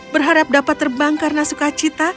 berharap dapat terbang karena suka cita